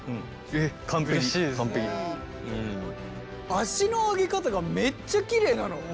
足の上げ方がめっちゃきれいなの。